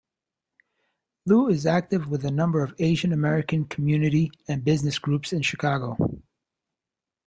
Loo is active with a number of Asian-American community and business groups in Chicago.